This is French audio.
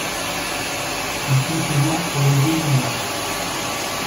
Il contenant Prolegomena.